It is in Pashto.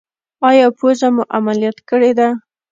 ایا پوزه مو عملیات کړې ده؟